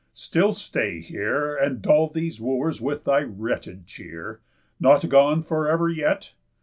Still stay here, And dull these Wooers with thy wretched cheer? Not gone for ever yet?